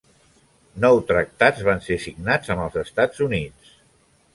Nou tractats van ser signats amb els Estats Units.